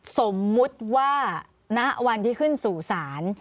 สมมุติว่าณวันที่ขึ้นสู่ศาล